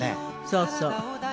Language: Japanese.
そうそう。